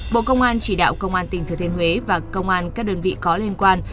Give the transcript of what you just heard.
bộ công an chỉ đạo công an tỉnh thừa thiên huế và công an các đơn vị có liên quan